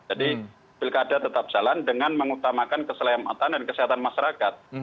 jadi bilkada tetap jalan dengan mengutamakan keselamatan dan kesehatan masyarakat